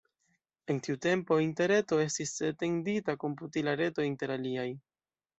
En tiu tempo Interreto estis etendita komputila reto inter aliaj.